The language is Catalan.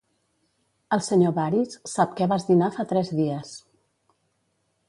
El senyor Varys sap què vas dinar fa tres dies.